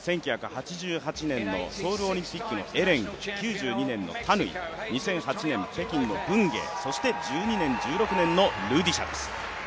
１９８８年のソウルオリンピックのエレン、９２年のタヌイ、２００８年の北京のブンゲイ、そして１２年のルディシャです。